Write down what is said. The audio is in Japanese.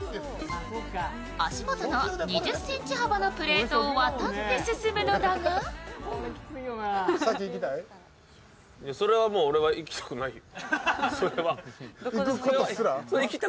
足元の２０ｃｍ幅のプレートを渡って進むのだが行きたくないよ。